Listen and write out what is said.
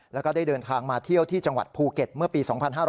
แล้วก็ได้เดินทางมาเที่ยวที่จังหวัดภูเก็ตเมื่อปี๒๕๕๙